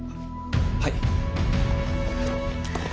はい。